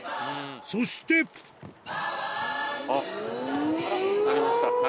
そしてあっ！